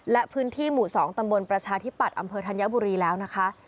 และพื้นที่หมู่๒ตำบลประชาธิปัตย์อำเภอธัญบุรีแล้วนะคะ